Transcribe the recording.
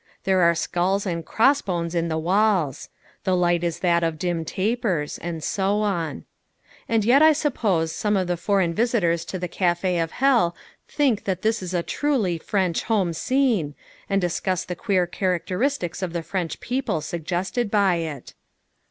There are skulls and cross bones in the walls. The light is that of dim tapers. And so on. And yet I suppose some of the foreign visitors to the Café of Hell think that this is a truly French home scene, and discuss the queer characteristics of the French people suggested by it.